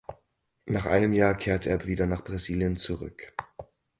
Nach einem Jahr kehrte er wieder nach Brasilien zurück.